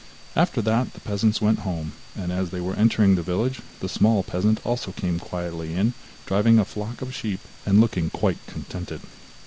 After that the peasants went home, and as they were entering the village, the small peasant also came quietly in, driving a flock of sheep and looking quite contented.